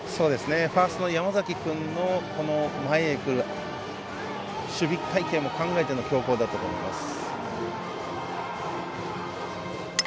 ファーストの山崎君の前へ来る守備隊形も考えての強攻だと思います。